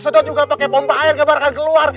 sedot juga pake pompa air gak bakal keluar